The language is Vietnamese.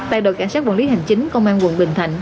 tại đội cảnh sát quản lý hành chính công an quận bình thạnh